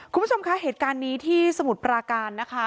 คุณผู้ชมคะเหตุการณ์นี้ที่สมุทรปราการนะคะ